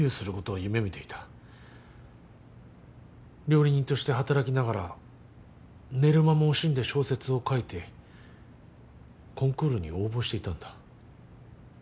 料理人として働きながら寝る間も惜しんで小説を書いてコンクールに応募していたんだ。